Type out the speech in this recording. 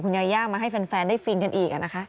ยาย่ามาให้แฟนได้ฟินกันอีกนะคะ